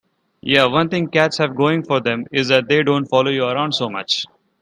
Yeah, one thing cats have going for them is that they don't follow you around so much.